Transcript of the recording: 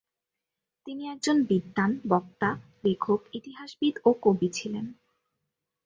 তিনি একজন বিদ্বান, বক্তা, লেখক, ইতিহাসবিদ ও কবি ছিলেন।